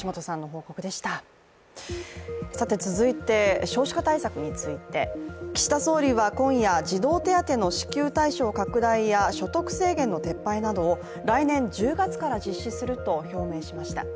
続いて、少子化対策について、岸田総理は今夜、児童手当の支給対象拡大や所得制限の撤廃などを来年１０月から実施すると表明しました。